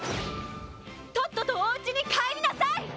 「とっととおうちに帰りなさい」